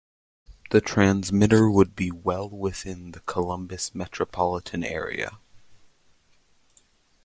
This transmitter would be well within the Columbus metropolitan area.